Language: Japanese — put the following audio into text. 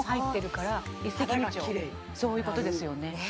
そういうことですよね